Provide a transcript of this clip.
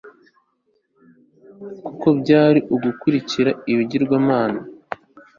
kuko byaba ari ugukurikira ibigirwamana